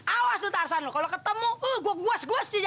awas tuh tante san kalau ketemu gue guas guas saja